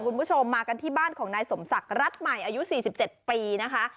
คุณผู้ชมมากันที่บ้านของนายสมศักดิ์รัฐใหม่อายุ๔๗ปีนะคะ